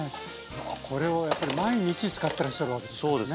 これをやっぱり毎日使ってらっしゃるわけですからね。